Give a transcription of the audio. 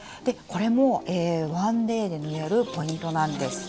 これも１ｄａｙで縫えるポイントなんです。